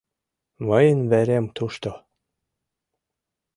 Мыйын верем тушто.